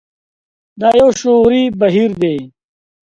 دا يو شعوري بهير دی.